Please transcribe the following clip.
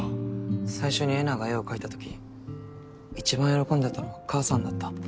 最初にえなが絵を描いた時一番喜んでたのは母さんだった。